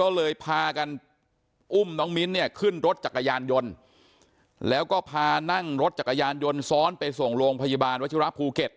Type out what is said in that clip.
ก็เลยพากันอุ้มน้องมิ้นเนี่ยขึ้นรถจักรยานยนต์แล้วก็พานั่งรถจักรยานยนต์ซ้อนไปส่งโรงพยาบาลวัชิระภูเก็ต